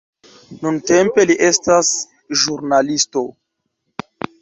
Nuntempe li estas ĵurnalisto.